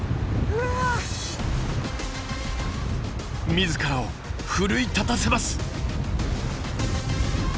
自らを奮い立たせます。